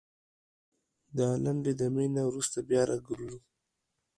دا لنډې دمي نه وروسته بيا راګرځوو